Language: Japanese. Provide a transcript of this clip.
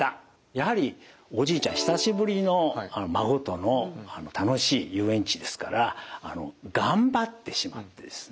やはりおじいちゃん久しぶりの孫との楽しい遊園地ですから頑張ってしまってですね